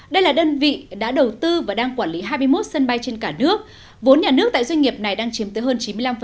đây là đơn vị đã đầu tư và đang quản lý hai mươi một sân bay trên cả nước vốn nhà nước tại doanh nghiệp này đang chiếm tới hơn chín mươi năm